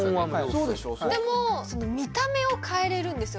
そうでしょでも見た目を変えれるんですよ